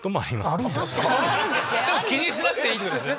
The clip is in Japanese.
気にしなくていいってことですね。